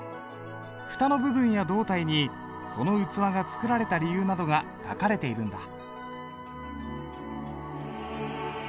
蓋の部分や胴体にその器が作られた理由などが書かれているんだ。